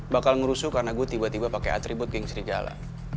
bakal ngerusuh karena gue tiba tiba pakai atribut geng serigala